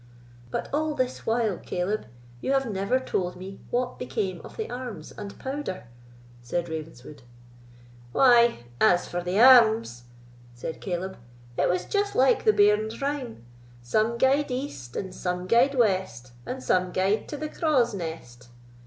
"But all this while, Caleb, you have never told me what became of the arms and powder," said Ravenswood. "Why, as for the arms," said Caleb, "it was just like the bairn's rhyme— Some gaed east and some gaed west, And some gaed to the craw's nest.